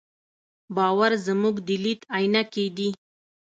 باور زموږ د لید عینکې دي.